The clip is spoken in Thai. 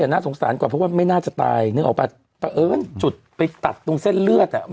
อ่ะน่าสงสารกว่าเพราะว่าไม่น่าจะตายนี่ออกแล้วป่ะเอิ้นจุดไปตัดตรงเส้นเลือดอ่ะมีคืบ